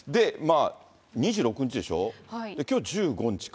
２６日でしょ、きょう１５日か。